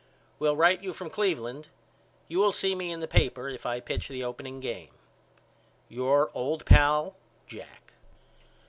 Will write you from Cleveland. You will see in the paper if I pitch the opening game. Your old pal, JACK.